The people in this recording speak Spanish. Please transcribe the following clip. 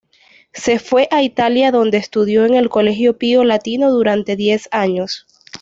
Se fue a Italia donde estudió en el Colegio Pío Latino durante diez años.